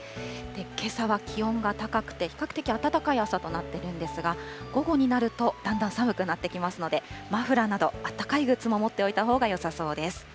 けさは気温が高くて、比較的暖かい朝となっているんですが、午後になると、だんだん寒くなってきますので、マフラーなど、あったかいグッズも持っておいたほうがよさそうです。